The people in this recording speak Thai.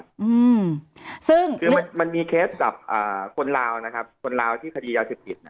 คือมันมีเคสกับคนราวที่คดียาวเฉพาะผิด